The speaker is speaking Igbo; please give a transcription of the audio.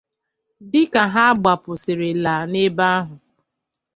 dịka ha gbapusịrịla n’ebe ahụ.